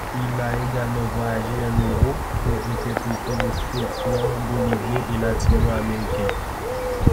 Il a également voyagé en Europe pour interpréter le folklore bolivien et latino américain.